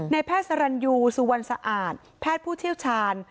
แพทย์สรรยูสุวรรณสะอาดแพทย์ผู้เชี่ยวชาญ